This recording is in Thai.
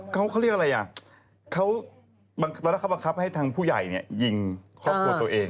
เขาเรียกอะไรอ่ะเขาตอนแรกเขาบังคับให้ทางผู้ใหญ่เนี่ยยิงครอบครัวตัวเอง